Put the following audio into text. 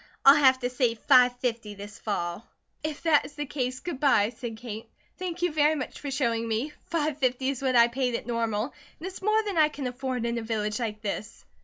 I'll have to say five fifty this fall." "If that is the case, good bye," said Kate. "Thank you very much for showing me. Five fifty is what I paid at Normal, it is more than I can afford in a village like this."